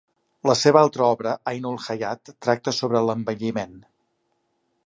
La seva altra obra, "Ainul Hayat" tracta sobre l'envelliment.